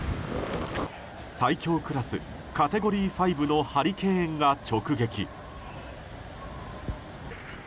最強クラス、カテゴリー５のハリケーンが直撃。